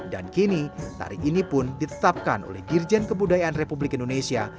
dan kini tari ini pun ditetapkan oleh dirjen kebudayaan republik indonesia